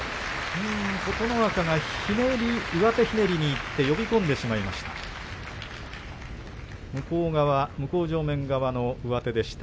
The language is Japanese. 琴ノ若が上手ひねりにいって呼び込んでしまいました。